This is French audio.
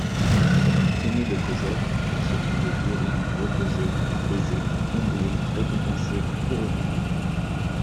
Aimé de Cosette, il se trouvait guéri, reposé, apaisé, comblé, récompensé, couronné.